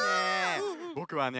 ぼくはね